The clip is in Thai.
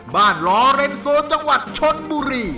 ลอเรนโซจังหวัดชนบุรี